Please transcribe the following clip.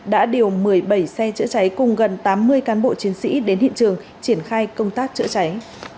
đã điều một mươi bảy xe chữa cháy cùng gần tám mươi cán bộ chiến sĩ đến hiện trường triển khai công tác chữa cháy